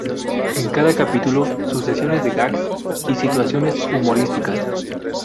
En cada capítulo, sucesión de gags y situaciones humorísticas.